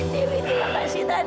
terima kasih tante